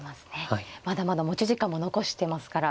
まだまだ持ち時間も残してますから。